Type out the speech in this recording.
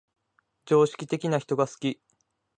常識的な人が好き